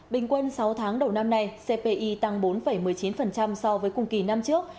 bình quân sáu tháng đầu năm nay cpi tăng bốn một mươi chín so với cùng kỳ năm trước